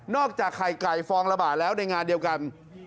จากไข่ไก่ฟองละบาทแล้วในงานเดียวกัน